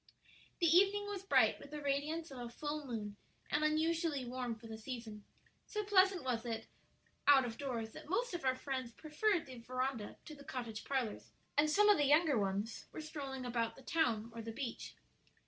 The evening was bright with the radiance of a full moon and unusually warm for the season; so pleasant was it out of doors that most of our friends preferred the veranda to the cottage parlors, and some of the younger ones were strolling about the town or the beach.